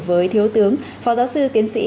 với thiếu tướng phó giáo sư tiến sĩ